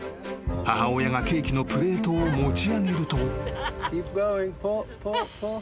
［母親がケーキのプレートを持ち上げると］